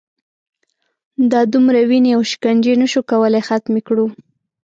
دا دومره وینې او شکنجې نه شو کولای ختمې کړو.